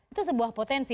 itu sebuah potensi